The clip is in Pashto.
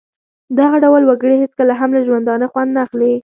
دغه ډول وګړي هېڅکله هم له ژوندانه خوند نه اخلي.